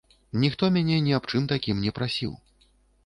Ніхто мяне ні аб чым такім не прасіў.